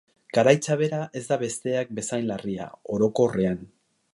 Gaitza bera ez da besteak bezain larria, orokorrean.